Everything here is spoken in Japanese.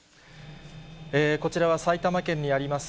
こちらは、埼玉県にあります